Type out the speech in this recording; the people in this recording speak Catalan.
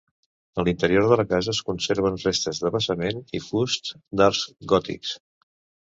A l'interior de la casa es conserven restes de basaments i fusts d'arcs gòtics.